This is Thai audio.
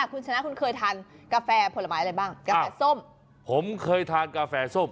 คุณชนะคุณเคยทานกาแฟผลไม้อะไรบ้างกาแฟส้มผมเคยทานกาแฟส้ม